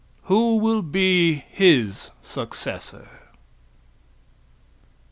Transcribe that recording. Who will be His successor?